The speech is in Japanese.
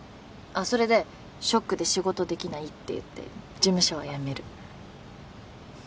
あっそれでショックで仕事出来ないって言って事務所を辞める。